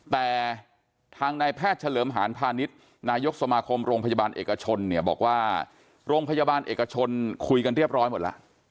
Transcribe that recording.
แต่ทางนายแพทย์เฉลิมหานพาณิชย์นายกสมาคมโรงพยาบาลเอกชนเนี่ยบอกว่าโรงพยาบาลเอกชนคุยกันเรียบร้อยหมดแล้ว